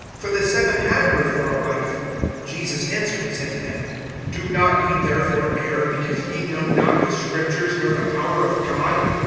For the seven had her for a wife. (24)Jesus answering said to them: Do ye not therefore err, because ye know not the Scriptures, nor the power of God?